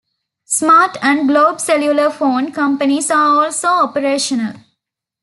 Smart and Globe cellular phone companies are also operational.